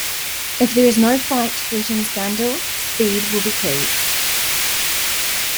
If there is no fight, threatens Gandil, Speed will be killed.